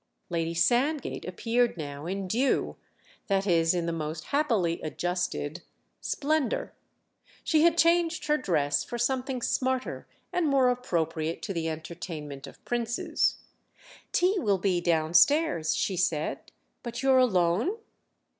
Lady Sandgate appeared now in due—that is in the most happily adjusted—splendour; she had changed her dress for something smarter and more appropriate to the entertainment of Princes, "Tea will be downstairs," she said. "But you're alone?"